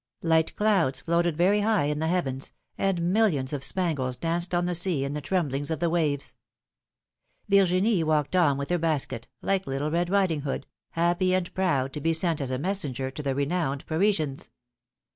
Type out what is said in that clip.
Light clouds floated very high in the heavens, and millions of spangles danced on the sea in the tremblings of the waves. Virginie walked on wdth her basket, like Little Rod Riding Hood, happy and proud to be sent as a messenger to the renowned Parisians.